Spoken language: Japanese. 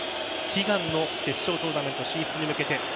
悲願の決勝トーナメント進出に向けて。